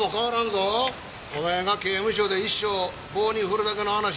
お前が刑務所で一生を棒に振るだけの話やで。